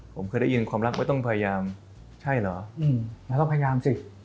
ผมเคยได้ยินความรักไม่ต้องพยายามใช่เหรอแล้วก็พยายามสิ